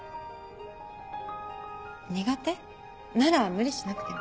苦手？なら無理しなくても。